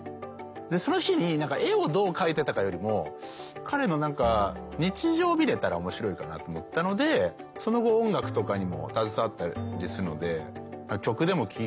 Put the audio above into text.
その日に絵をどう描いてたかよりも彼の何か日常を見れたら面白いかなと思ったのでその後音楽とかにも携わったりするので。